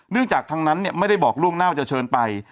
เนื่องจากทั้งนั้นเนี่ยไม่ได้บอกล่วงหน้าวจะเชิญไป